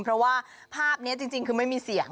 เพราะว่าภาพนี้จริงคือไม่มีเสียง